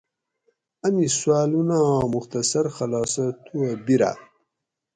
امی سوالونہ آں مختصر خلاصہ توہ بیراۤ